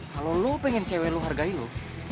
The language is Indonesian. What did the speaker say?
kalau lo pengen cewek lu hargai lo